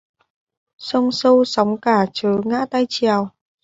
Sông sâu sóng cả chớ ngã tay chèo